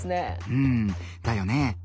うんだよね。